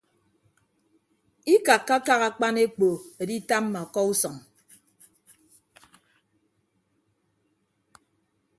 Ikakkakak akpan ekpo editamma ọkọ usʌñ.